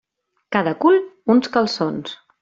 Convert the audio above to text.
Cada cul, uns calçons.